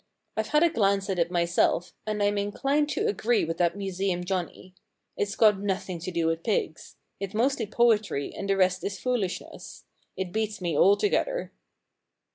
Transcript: IVe had a glance at it myself, and Fm inclined to agree with that Museum Johnnie. It's got nothing to do with pigs. It's mostly poetry and the rest is foolishness. It beats me altogether.'